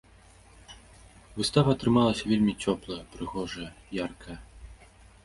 Выстава атрымалася вельмі цёплая, прыгожая яркая.